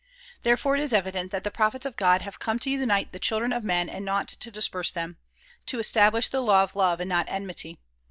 Therefore it is evident that the prophets of God have come to unite the children of men and not to disperse them; to establish the law of love and not enmity.